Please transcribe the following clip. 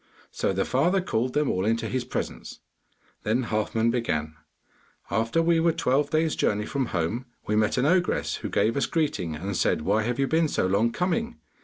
So the father called them all into his presence. Then Halfman began: 'After we were twelve days' journey from home, we met an ogress, who gave us greeting and said, "Why have you been so long coming?